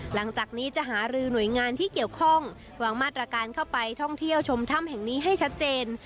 หลังจากนี้จะหารือหน่วยงานที่เกี่ยวข้องวางมาตรการเข้าไปท่องเที่ยวชมถ้ำแห่งนี้ให้ชัดเจน